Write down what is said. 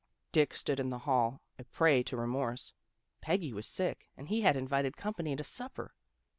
Dick stood in the hall, a prey to remorse. Peggy was sick, and he had invited company to supper.